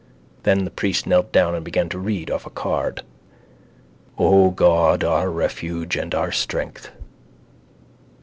Then the priest knelt down and began to read off a card: —O God, our refuge and our strength...